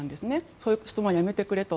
そういう質問はやめてくれと。